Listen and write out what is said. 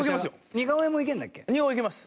似顔絵いけます。